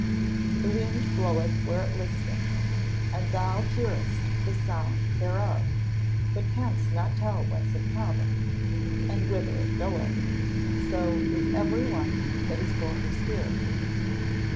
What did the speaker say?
_ [Verse: "The wind bloweth where it listeth, and thou hearest the sound thereof, but canst not tell whence it cometh, and whither it goeth: so is every one that is born of the Spirit."